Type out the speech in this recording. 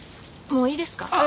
もういいですか？